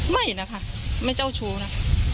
ไม่นะคะไม่เจ้าชู้นะคะ